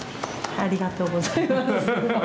ありがとうございます。